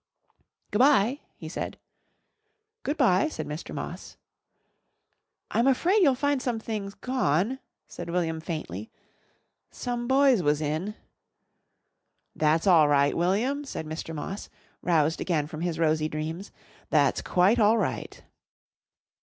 "Goo' bye," he said. "Good bye," said Mr. Moss. "I'm afraid you'll find some things gone," said William faintly; "some boys was in." "That's all right, William," said Mr. Moss, roused again from his rosy dreams. "That's quite all right."